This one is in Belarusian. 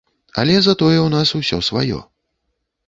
Але затое ў нас усё сваё.